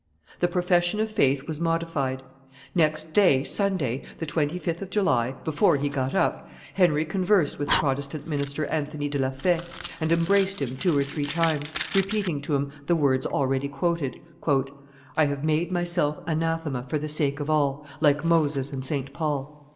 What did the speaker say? The profession of faith was modified. Next day, Sunday, the 25th of July, before he got up, Henry conversed with the Protestant minister Anthony de la Faye, and embraced him two or three times, repeating to him the words already quoted, "I have made myself anathema for the sake of all, like Moses and St. Paul."